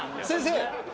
先生。